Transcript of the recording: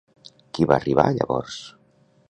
Qui va arribar llavors?